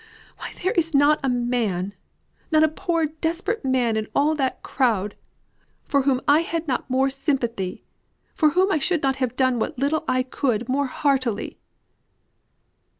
Why, there was not a man not a poor desperate man in all that crowd for whom I had not more sympathy for whom I should not have done what little I could more heartily."